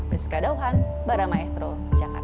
bersekadauhan baramaestro jakarta